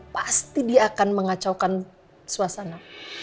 pasti dia akan mengacaukan suasana